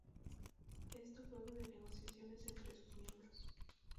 Esto, luego de negociaciones entre sus miembros.